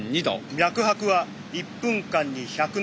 脈拍は１分間に１０７。